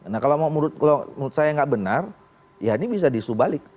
nah kalau menurut saya nggak benar ya ini bisa diisubalik